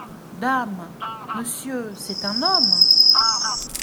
Dame ! monsieur, c’est un homme….